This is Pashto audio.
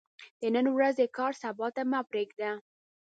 د نن ورځې کار سبا ته مه پريږده